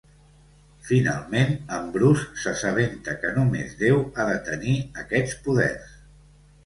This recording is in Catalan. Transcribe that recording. Finalment, en Bruce s'assabenta que només Déu ha de tenir aquests poders.